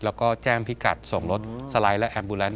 แล้วก็แจ้งพิกัดส่งรถสไลด์และแอมบูแลนด